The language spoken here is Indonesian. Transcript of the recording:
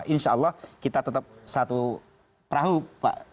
insya allah kita tetap satu perahu pak